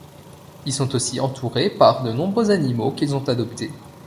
Ils sont aussi entourés par de nombreux animaux qu'ils ont adopté.